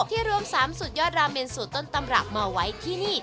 ที่รวม๓สุดยอดราเมนสูตรต้นตำรับมาไว้ที่นี่